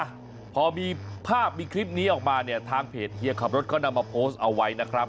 อ่ะพอมีภาพมีคลิปนี้ออกมาเนี่ยทางเพจเฮียขับรถเขานำมาโพสต์เอาไว้นะครับ